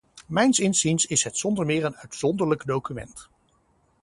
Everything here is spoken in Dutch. Mijns inziens is het zonder meer een uitzonderlijk document.